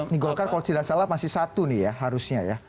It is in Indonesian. nih golkar kalau tidak salah masih satu nih ya harusnya ya